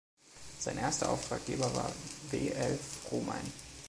Sein erster Auftraggeber war W. L. Fromein.